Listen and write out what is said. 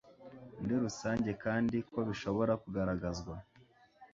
muri rusange kandi ko bishobora kugaragazwa